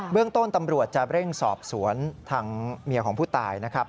เรื่องต้นตำรวจจะเร่งสอบสวนทางเมียของผู้ตายนะครับ